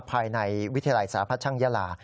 ภายในวิทยาลัยสาพัชช่างยาลา